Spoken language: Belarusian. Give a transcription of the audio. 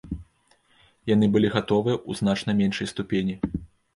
Яны былі гатовыя ў значна меншай ступені.